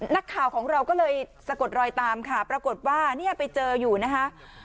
นักข่าวของเราก็เลยสะกดรอยตามค่ะปรากฏว่าเนี่ยไปเจออยู่นะคะ